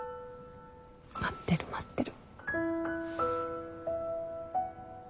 待ってる待ってる。